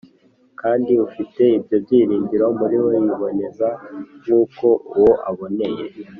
Kandi ufite ibyo byiringiro muri we, yiboneza nk’uko uwo aboneye.